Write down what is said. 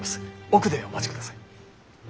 奥でお待ちください。